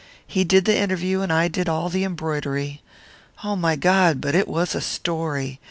He did the interview, and I did all the embroidery oh, my God, but it was a story!